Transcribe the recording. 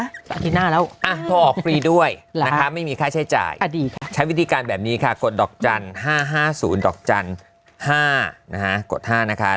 อาทิตย์หน้าแล้วโทรออกฟรีด้วยนะคะไม่มีค่าใช้จ่ายใช้วิธีการแบบนี้ค่ะกดดอกจันทร์๕๕๐ดอกจันทร์๕นะฮะกด๕นะคะ